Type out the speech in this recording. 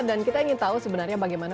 dan kita ingin tahu sebenarnya bagaimana